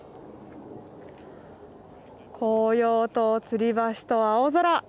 紅葉とつり橋と青空。